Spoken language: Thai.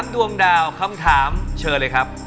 ดวงดาวคำถามเชิญเลยครับ